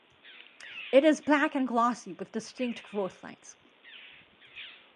It is black and glossy with distinct growth lines.